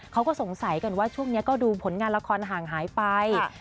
เขาก็สงสัยกันว่าช่วงนี้ก็ดูผลงานละครห่างหายไป